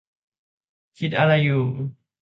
คิดอะไรอยู่